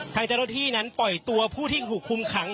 ทางเจ้าหน้าที่นั้นปล่อยตัวผู้ที่ถูกคุมขัง